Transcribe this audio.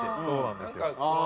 そうなんですよ。